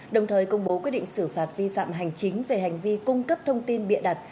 đồng thời công bố quyết định xử phạt vi phạm hành chính về hành vi cung cấp thông tin bịa đặt